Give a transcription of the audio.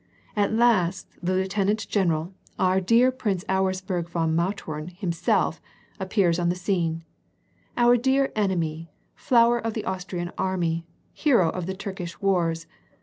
At last the lieutenant general, our dear Prince Auersperg von Mautem himself, appears on the scene. * Our dear enemy ! Flower of the Austrian army, hero of the Turkish wars